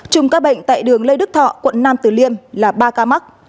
chùm ca bệnh tại đường lê đức thọ quận nam từ liêm là ba ca mắc